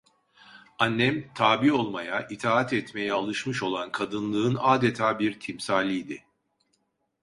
Annem, tabi olmaya, itaat etmeye alışmış olan kadınlığın adeta bir timsaliydi.